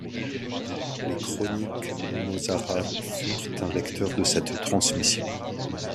Les chroniques mozarabes furent un vecteur de cette transmission.